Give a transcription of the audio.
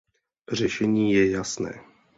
Řešení je jasné.